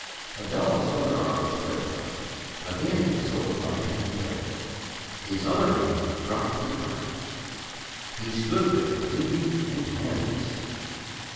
Abdallah's other arm was stretched out, again the sword flashed and fell. His other hand dropped to the ground. He stood there bleeding and handless.